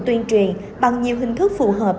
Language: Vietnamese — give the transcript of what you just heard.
tuyên truyền bằng nhiều hình thức phù hợp